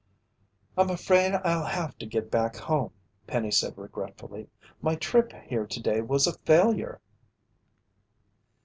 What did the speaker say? "I'm afraid I'll have to get back home," Penny said regretfully. "My trip here today was a failure."